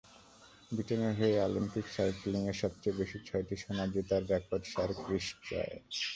ব্রিটেনের হয়ে অলিম্পিক সাইক্লিংয়ে সবচেয়ে বেশি ছয়টি সোনা জেতার রেকর্ড স্যার ক্রিস হয়ের।